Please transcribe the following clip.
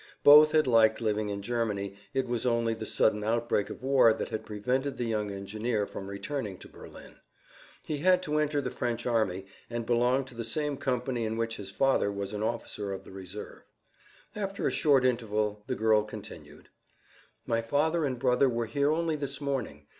Both had liked living in Germany, it was only the sudden outbreak of war that had prevented the young engineer from returning to Berlin. He had to enter the French army, and belonged to the same company in which his father was an officer of the reserve. After a short interval the girl continued: "My father and brother were here only this morning.